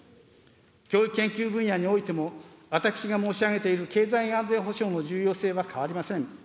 教育研究分野においても、私が申し上げている経済安全保障の重要性は変わりません。